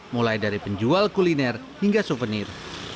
mulai dari penjual kuliner hingga souvenir